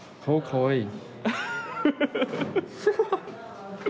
・かわいい。